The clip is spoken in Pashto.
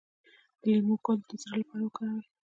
د لیمو ګل د زړه لپاره وکاروئ